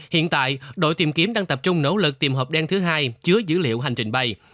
hiện tại đội tìm kiếm đang tập trung nỗ lực tìm hộp đen thứ hai chứa dữ liệu hành trình bay